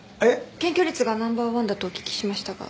検挙率がナンバーワンだとお聞きしましたが。